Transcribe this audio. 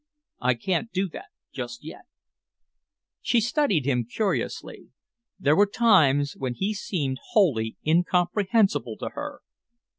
"I can't do that just yet." She studied him curiously. There were times when he seemed wholly incomprehensible to her.